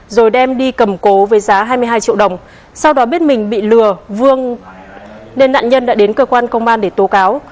rồi đem đi cầm cố với giá hai mươi hai triệu đồng sau đó biết mình bị lừa vương nên nạn nhân đã đến cơ quan công an để tố cáo